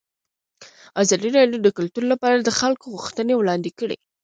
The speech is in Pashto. ازادي راډیو د کلتور لپاره د خلکو غوښتنې وړاندې کړي.